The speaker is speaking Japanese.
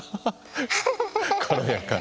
軽やかに。